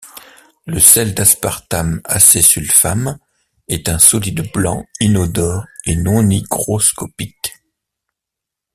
Le sel d'aspartame-acésulfame est un solide blanc inodore et non-hygroscopique.